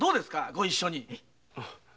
ご一緒に。